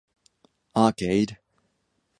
Arcade.